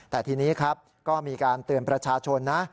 แต่ทีนี้ครับก็มีการเตือนประชาชนนะ